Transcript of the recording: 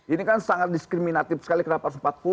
ini kan sangat diskriminatif sekali kenapa harus empat puluh